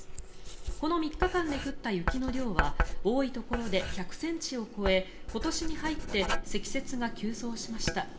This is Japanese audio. この３日間で降った雪の量は多いところで１００ｃｍを超え今年に入って積雪が急増しました。